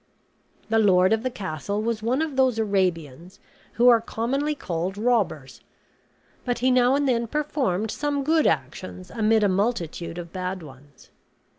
The lord of the castle was one of those Arabians who are commonly called robbers; but he now and then performed some good actions amid a multitude of bad ones.